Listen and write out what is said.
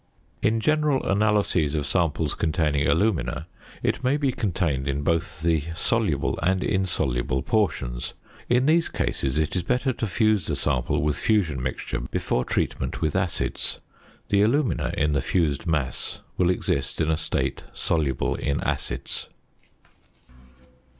In general analyses of samples containing alumina, it may be contained in both the soluble and insoluble portions. In these cases it is better to fuse the sample with "fusion mixture" before treatment with acids. The alumina in the fused mass will exist in a state soluble in acids.